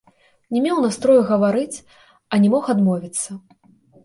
Не меў настрою гаварыць, а не мог адмовіцца.